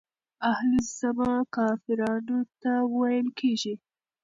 اهل الذمه کافرانو ته ويل کيږي.